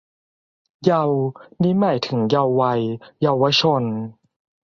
เยาว์ นี้หมายถึง เยาว์วัย เยาวชน